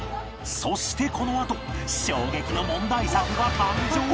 そしてこのあと衝撃の問題作が誕生！